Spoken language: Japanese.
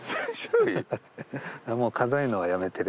もう数えるのはやめてる。